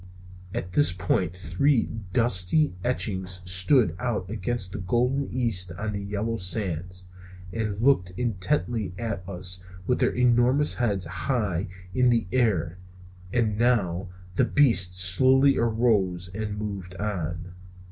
At this point three dusky etchings stood out against the golden east on the yellow sands, and looked intently at us with their enormous heads high in the air. And now the beast slowly arose and moved on.